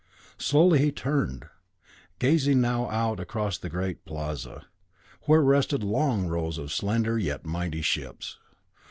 Slowly he turned, gazing now out across the great plaza, where rested long rows of slender, yet mighty ships.